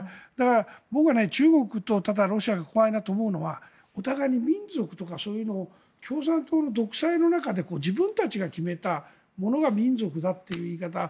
だから僕は中国とロシアが怖いなと思うのはお互いに民族とかそういうのを共産党の独裁の中で自分たちが決めたものが民族だという言い方